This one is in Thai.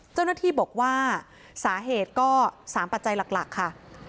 เจ้าหน้าที่บอกว่าสาเหตุก็๓ปัจจัยหลักค่ะ